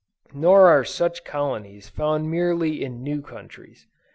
Nor are such colonies found merely in new countries.